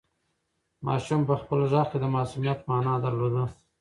ماشوم په خپل غږ کې د معصومیت مانا درلوده.